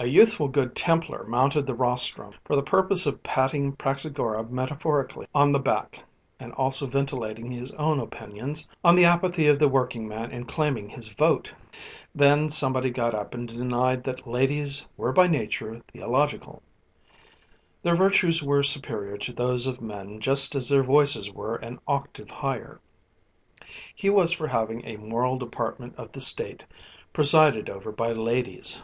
A youthful Good Templar mounted the rostrum, for the purpose of patting Praxagora metaphorically on the back, and also ventilating his own opinions on the apathy of the working man in claiming his vote. Then somebody got up and denied that ladies were by nature theological. Their virtues were superior to those of men just as their voices were an octave higher. He was for having a Moral Department of the State presided over by ladies.